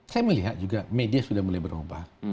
saya melihat juga media sudah mulai berubah